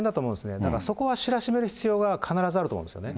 だからそこは知らしめる必要が必ずあると思うんですよね。